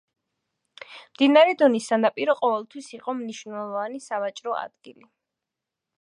მდინარე დონის სანაპირო ყოველთვის იყო მნიშვნელოვანი სავაჭრო ადგილი.